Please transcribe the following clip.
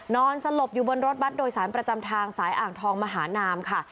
นอนสลบอยู่บนรถบัตรโดยสารประจำทางสายอ่างทองมหานามค่ะ